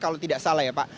kalau tidak salah ya pak